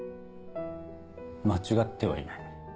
間違ってはいない。